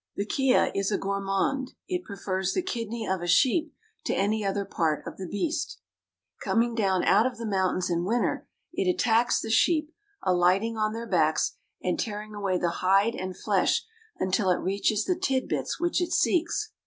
The kea is a gourmand. It prefers the kidney of a sheep to any other part of the beast. Coming down out of the mountains in winter, it attacks the sheep, alighting on their backs, and tearing away the hide and flesh until it reaches the titbits which it seeks.